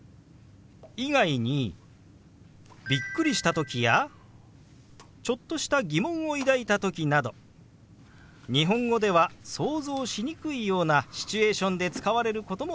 以外にびっくりした時やちょっとした疑問を抱いた時など日本語では想像しにくいようなシチュエーションで使われることもあります。